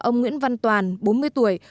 ông nguyễn văn toàn bốn mươi tuổi